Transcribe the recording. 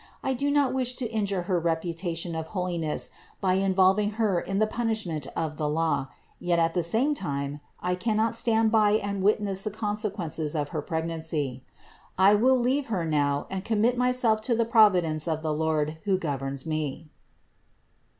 I do not wish to injure Her reputation of holiness by involving Her in the pun ishment of the law ; yet at the same time I cannot stand THE INCARNATION 317 by and witness the consequences of her pregnancy. I will leave her now, and commit myself to the providence of the Lord, who governs me."